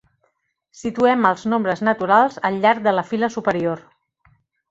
Situem els nombres naturals al llarg de la fila superior.